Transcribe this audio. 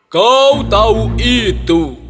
kau tahu itu